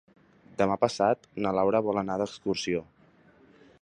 Demà passat na Laura vol anar d'excursió.